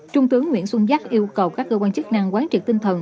trung tướng nguyễn xuân giắc yêu cầu các cơ quan chức năng quán trực tinh thần